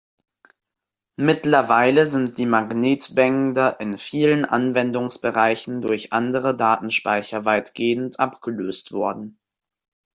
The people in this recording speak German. Mittlerweile sind die Magnetbänder in vielen Anwendungsbereichen durch andere Datenspeicher weitgehend abgelöst worden.